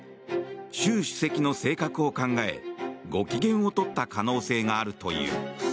習主席の性格を考えご機嫌を取った可能性があるという。